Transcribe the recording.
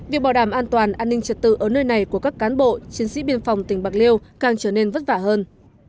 việc bảo đảm an toàn an ninh trật tự ở nơi này của các cán bộ chiến sĩ biên phòng tỉnh bạc liêu càng trở nên vất vả hơn